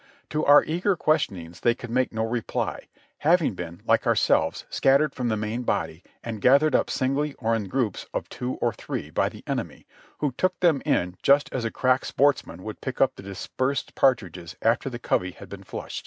To our eager questionings, they could make no reply, having been, like our selves, scattered from the main body, and gathered up singly or in groups of two or three, by the enemy, who took them in just as a crack sportsman would pick up the dispersed partridges after the covey had been flushed.